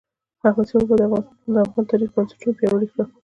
احمدشاه بااب د افغان تاریخ بنسټونه پیاوړي کړل.